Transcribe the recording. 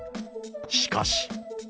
しかし。